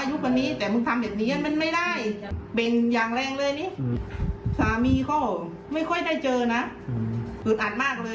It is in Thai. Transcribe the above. อืมนะครับ